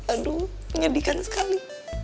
aduh menyedihkan sekali